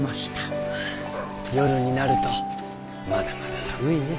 夜になるとまだまだ寒いね。